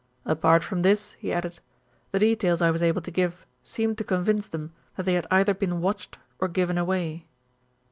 "Apart from this," he added, "the details I was able to give seemed to convince them that they had either been watched or given away."